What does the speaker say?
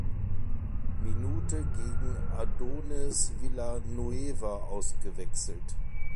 Minute gegen Adonis Villanueva ausgewechselt.